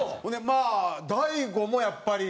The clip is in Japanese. まあ大悟もやっぱり。